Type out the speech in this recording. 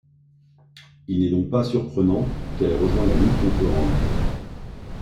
Il n'est donc pas surprenant qu'elle ait rejoint la lutte contre Rome.